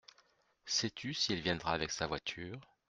Sais-tu si elle viendra avec sa voiture ?…